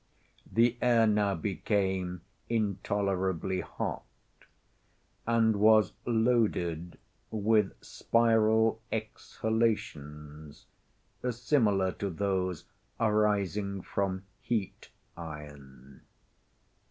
The air now became intolerably hot, and was loaded with spiral exhalations similar to those arising from heat iron.